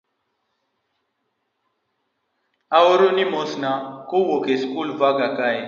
aoroni mosna kawuokb e skul Vanga kae,